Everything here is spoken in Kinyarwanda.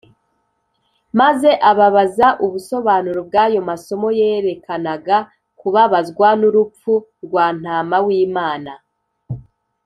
, maze ababaza ubusobanuro bw’ayo masomo yerekanaga kubabazwa n’urupfu rwa Ntama w’Imana.